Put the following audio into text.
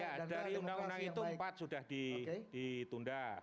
saya kira dari undang undang itu empat sudah ditunda